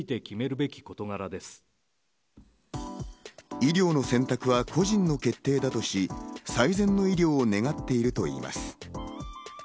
医療の選択は個人の決定だとし、最善の医療を願っているといいます。